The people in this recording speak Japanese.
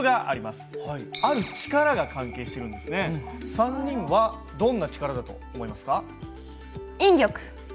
３人はどんな力だと思いますか？